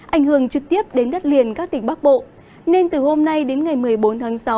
ảnh hưởng trực tiếp đến đất liền các tỉnh bắc bộ nên từ hôm nay đến ngày một mươi bốn tháng sáu